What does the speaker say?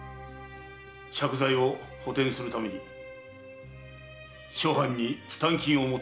借財を補填するために諸藩に負担金を求めたいのだ。